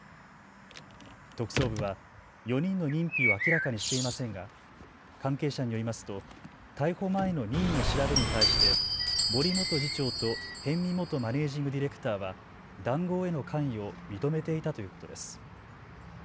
特捜部は４人の認否を明らかにしていませんが関係者によりますと逮捕前の任意の調べに対して森元次長と逸見元マネージング・ディレクターは談合への関与を認めていたということです。